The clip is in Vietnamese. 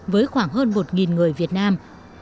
với khoảng hơn một người việt nam